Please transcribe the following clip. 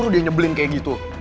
dia nyebelin kayak gitu